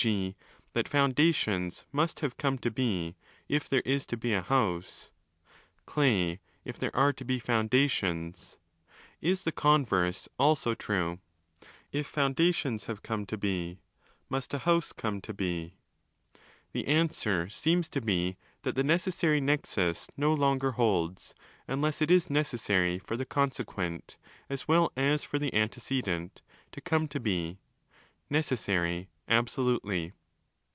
g. that foundations must have come to be if there is to be a house: clay, if there are to be foundations), is the converse also true? If foundations have come to be, must a house come to be? The answer seems to be that the necessary zexrus no longer holds, unless it is 'necessary' for the consequent (as well as for the ante cedent)! to come to be—' necessary' absolutely.